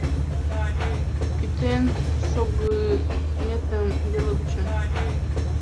Кӱтен шогыметым веле вуча.